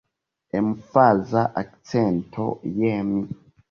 Emfaza akcento je mi.